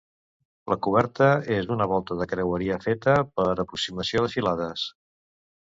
La coberta és una volta de creueria feta per aproximació de filades.